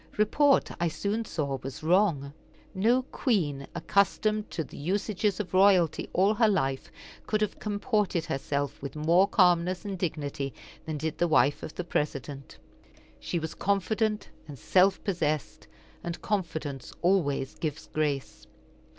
Report, I soon saw, was wrong. No queen, accustomed to the usages of royalty all her life, could have comported herself with more calmness and dignity than did the wife of the President. She was confident and self possessed, and confidence always gives grace.